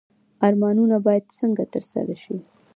ارمانونه باید څنګه ترسره شي؟